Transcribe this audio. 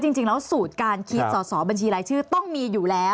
จริงแล้วสูตรการคิดสอสอบัญชีรายชื่อต้องมีอยู่แล้ว